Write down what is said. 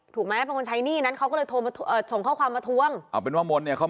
ถูกไหม